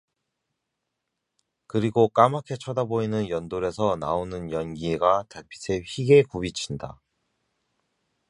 그리고 까맣게 쳐다보이는 연돌에서 나오는 연기가 달빛에 희게 굽이친다.